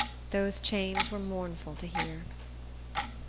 Those chains were mournful to hear.